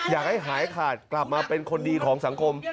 อยากให้หายขาดกลับมาเป็นคนดีของสังคม